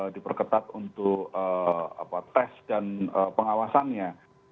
diperketat untuk tes dan pengawasannya